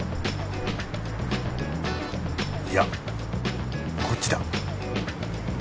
いやこっちだ